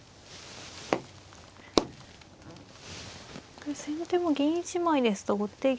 これ先手も銀１枚ですと後手玉